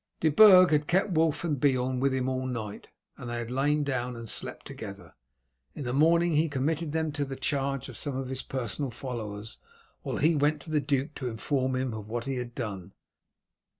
De Burg had kept Wulf and Beorn with him all night, and they had lain down and slept together. In the morning he committed them to the charge of some of his personal followers, while he went to the duke to inform him of what he had done.